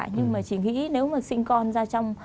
nhưng mà chỉ nghĩ nếu mà sinh con ra trong